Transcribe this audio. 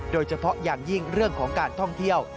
โดยเฉพาะอย่างยิ่งเรื่องของการท่องเที่ยว